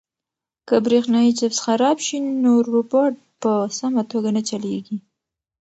که برېښنايي چپس خراب شي نو روبوټ په سمه توګه نه چلیږي.